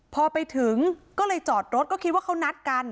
พอไปถึงก็เลยจอดรถก็คิดว่าเขานัดกัน